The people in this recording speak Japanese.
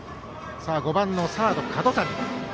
５番サード、角谷。